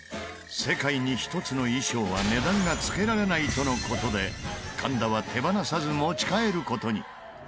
世界に一つの衣装は値段がつけられないとの事で神田は手放さず持ち帰る事に。